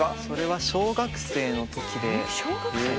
それは小学生の時で。